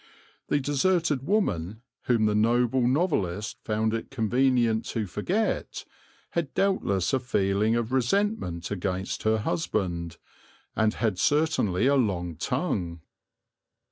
The deserted woman, whom the noble novelist found it convenient to forget, had doubtless a feeling of resentment against her husband, and had certainly a long tongue.